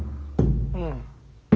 うん。